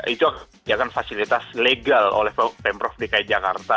itu ya kan fasilitas legal oleh pemprov dki jakarta